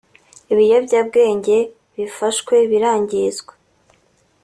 Ibiyobyabwenge bifashwe birangizwa